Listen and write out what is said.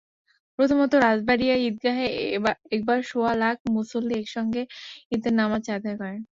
প্রথমত, রাজাবাড়ীয়া ঈদগাহে একবার সোয়া লাখ মুসল্লি একসঙ্গে ঈদের নামাজ আদায় করেন।